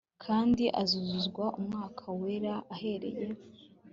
kandi azuzuzwa Umwuka Wera ahereye